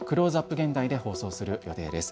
現代で放送する予定です。